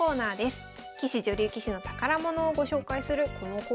棋士女流棋士の宝物をご紹介するこのコーナー。